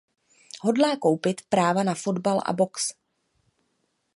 Hodlá koupit práva na fotbal a box.